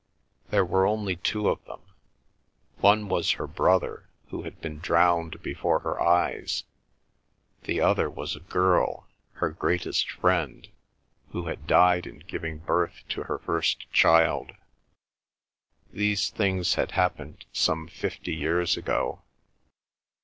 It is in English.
There were only two of them. One was her brother, who had been drowned before her eyes, the other was a girl, her greatest friend, who had died in giving birth to her first child. These things had happened some fifty years ago.